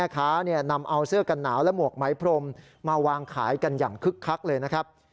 การขายกันอย่างคึกคักเลยนะครับ